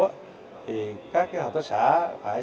thì các hợp tác xã phải xác định